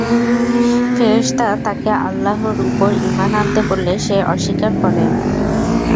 ফেরেশতা তাকে আল্লাহর উপর ঈমান আনতে বললে সে অস্বীকার করে।